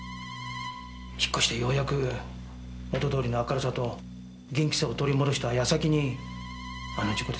引っ越してようやく元どおりの明るさと元気さを取り戻した矢先にあの事故です。